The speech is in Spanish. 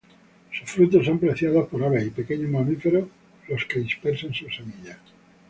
Sus frutos son preciados por aves y pequeños mamíferos, los que dispersan sus semillas.